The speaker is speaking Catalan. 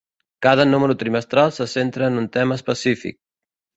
Cada número trimestral se centra en un tema específic.